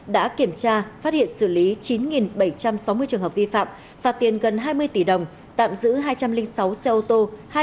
đã kiểm tra phát hiện xử lý chín bảy trăm sáu mươi trường hợp vi phạm phạt tiền gần hai mươi tỷ đồng tạm giữ hai trăm linh sáu xe ô tô